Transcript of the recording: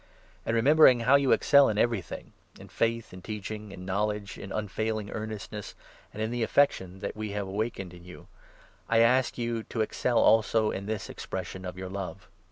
And, remembering how you excel in everything •— in faith, in teaching, in knowledge, in unfailing earnestness, and in the affection that we have awakened in you — I ask you to excel also in this expression of your love.